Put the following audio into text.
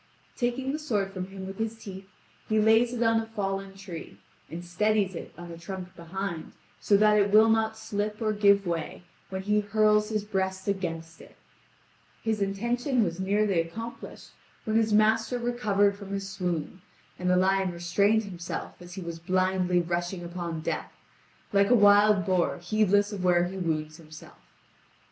Taking the sword from him with his teeth he lays it on a fallen tree, and steadies it on a trunk behind, so that it will not slip or give way, when he hurls his breast against it, His intention was nearly accomplished when his master recovered from his swoon, and the lion restrained himself as he was blindly rushing upon death, like a wild boar heedless of where he wounds himself.